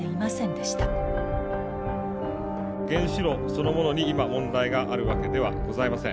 原子炉そのものに今問題があるわけではございません。